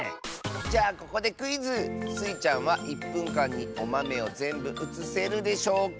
じゃあここでクイズ！スイちゃんは１ぷんかんにおまめをぜんぶうつせるでしょうか？